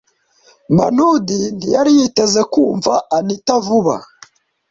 Manudi ntiyari yiteze kumva Anita vuba.